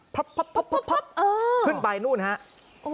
โพ๊บขึ้นไปนู่นครับ